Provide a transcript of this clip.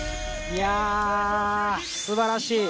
いや、すばらしい。